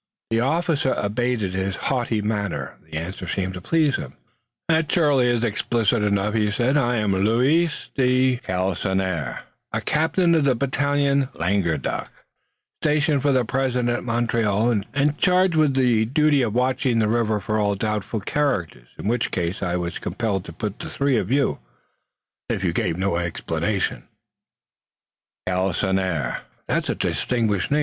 The officer abated his haughty manner. The answer seemed to please him. "That surely is explicit enough," he said. "I am Louis de Galisonnière, a captain of the battalion Languedoc, stationed for the present at Montreal and charged with the duty of watching the river for all doubtful characters, in which class I was compelled to put the three of you, if you gave no explanations." "Galisonnière! That is a distinguished name.